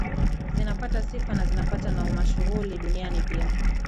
zinapata sifa na zinapata na umashuhuli duniani pia